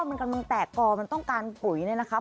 มันกำลังแตกกอมันต้องการปุ๋ยเนี่ยนะครับ